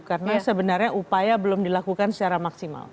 karena sebenarnya upaya belum dilakukan secara maksimal